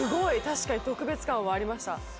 確かに特別感はありました。